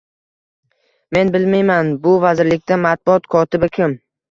Men bilmayman bu vazirlikda matbuot kotibi kim, '